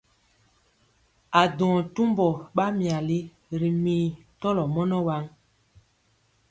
A duŋɔ tumbɔ ɓa myali ri mii tɔlɔ mɔnɔ waŋ.